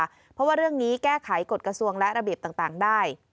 เพราะว่าเรื่องนี้แก้ไขกฎกระทรวงและระเบียบต่างได้